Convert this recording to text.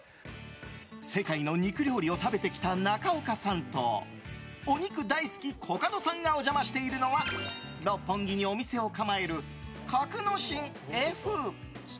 世界の肉料理を食べてきた中岡さんとお肉大好きコカドさんがお邪魔しているのは六本木にお店を構える格之進Ｆ。